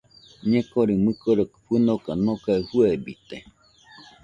Ñekore mɨkori fɨnoka nokae fɨebite